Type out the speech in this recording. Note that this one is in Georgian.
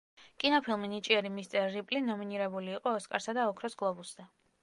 კინოფილმი „ნიჭიერი მისტერ რიპლი“ ნომინირებული იყო ოსკარსა და ოქროს გლობუსზე.